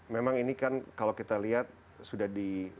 memang ini kan kalau kita lihat sudah di